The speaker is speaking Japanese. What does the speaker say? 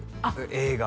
映画？